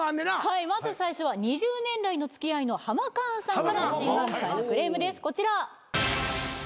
はいまず最初は２０年来の付き合いのハマカーンさんからマシンガンズさんへのクレームですこちら。